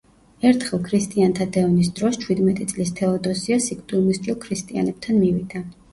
ერთხელ, ქრისტიანთა დევნის დროს, ჩვიდმეტი წლის თეოდოსია სიკვდილმისჯილ ქრისტიანებთან მივიდა.